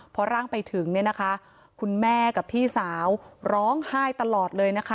พอร่างไปถึงเนี่ยนะคะคุณแม่กับพี่สาวร้องไห้ตลอดเลยนะคะ